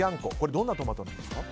どんなトマトなんですか？